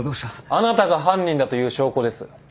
あなたが犯人だという証拠です。